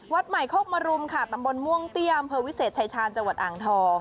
วัดใหม่โคกมรุมค่ะตำบลม่วงเตี้ยอำเภอวิเศษชายชาญจังหวัดอ่างทอง